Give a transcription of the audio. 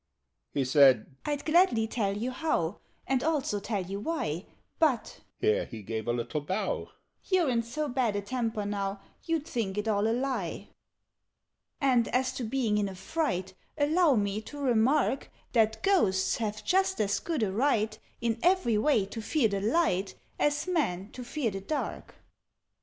He said "I'd gladly tell you how, And also tell you why; But" (here he gave a little bow) "You're in so bad a temper now, You'd think it all a lie. "And as to being in a fright, Allow me to remark That Ghosts have just as good a right, In every way, to fear the light, As Men to fear the dark."